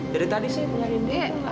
dari tadi sih mulai rindu